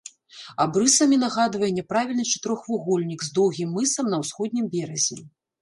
Абрысамі нагадвае няправільны чатырохвугольнік з доўгім мысам на ўсходнім беразе.